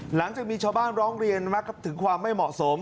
หลังจากมีชาวบ้านร้องเรียนถึงความไม่เหมาะสม